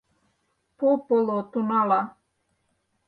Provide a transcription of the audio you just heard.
По-поло тунала